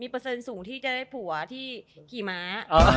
เปอร์เซ็นต์สูงที่จะได้ผัวที่ขี่ม้า